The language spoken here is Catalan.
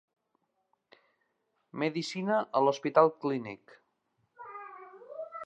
Medicina a l'Hospital Clínic.